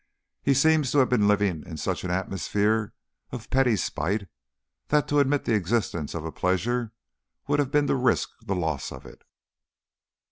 He seems to have been living in such an atmosphere of petty spite that to admit the existence of a pleasure would have been to risk the loss of it.